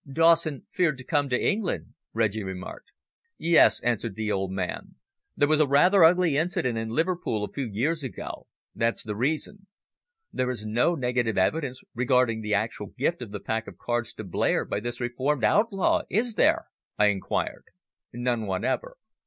"Dawson feared to come to England," Reggie remarked. "Yes," answered the old man. "There was a rather ugly incident in Liverpool a few years ago that's the reason." "There is no negative evidence regarding the actual gift of the pack of cards to Blair by this reformed outlaw, is there!" I inquired. "None whatever.